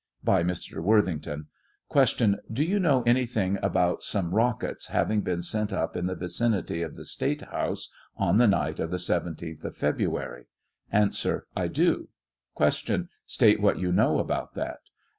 By Mr. Worthington : Q. Do you know anything about some rockets hav ing been sent up in the vicinity of the State House on the night of the 17th of February ? A. I do. Q. State what you know about that